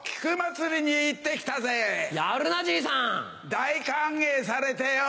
大歓迎されてよ。